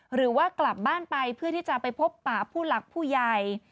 หรือว่ากลับบ้านไปเพื่อที่จะไปพบป่าผู้หลักผู้ใหญ่